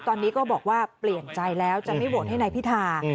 ตอนนี้ก็บอกว่าเปลี่ยนใจแล้วจะไม่โหวตให้นายพิธา